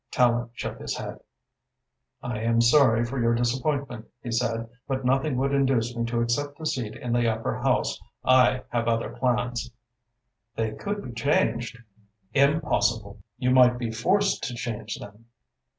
Tallente shook his head. "I am sorry for your disappointment," he said, "but nothing would induce me to accept a seat in the Upper House. I have other plans." "They could be changed." "Impossible!" "You might be forced to change them."